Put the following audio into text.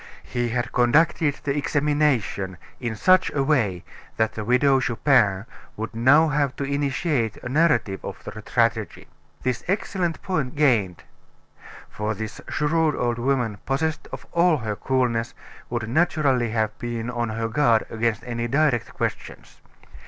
He had conducted the examination in such a way that the Widow Chupin would now have to initiate a narrative of the tragedy. This excellent point gained; for this shrewd old woman, possessed of all her coolness, would naturally have been on her guard against any direct questions.